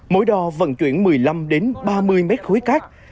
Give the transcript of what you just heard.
mỗi đò vận chuyển một mươi năm ba mươi mét khối cát